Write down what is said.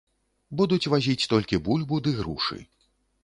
Будуць вазіць толькі бульбу ды грушы.